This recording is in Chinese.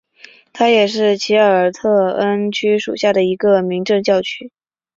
它也是奇尔特恩区属下的一个民政教区。